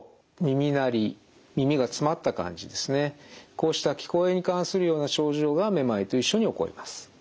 こうした聞こえに関するような症状がめまいと一緒に起こります。